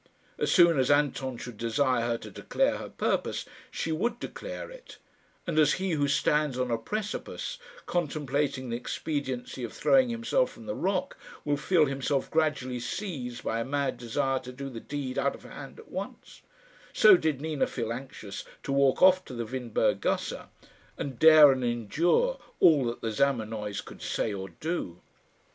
As soon as Anton should desire her to declare her purpose, she would declare it; and as he who stands on a precipice, contemplating the expediency of throwing himself from the rock, will feel himself gradually seized by a mad desire to do the deed out of hand at once, so did Nina feel anxious to walk off to the Windberg gasse, and dare and endure all that the Zamenoys could say or do.